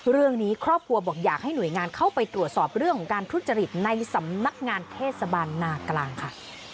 เรื่องนี้ครอบครัวบอกอยากให้หน่วยงานเข้าไปตรวจสอบเรื่องของการทุจริตในสำนักงานเทศบาลนากลางค่ะ